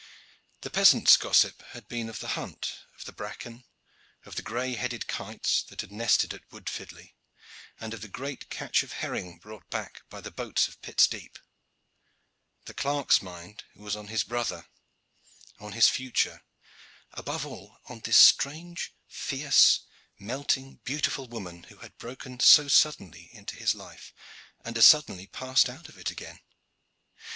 The peasant's gossip had been of the hunt, of the bracken, of the gray headed kites that had nested in Wood Fidley, and of the great catch of herring brought back by the boats of Pitt's Deep. The clerk's mind was on his brother, on his future above all on this strange, fierce, melting, beautiful woman who had broken so suddenly into his life, and as suddenly passed out of it again.